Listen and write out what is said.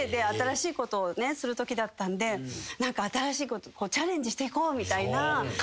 新しいことをするときだったんで新しいことチャレンジしていこうみたいな。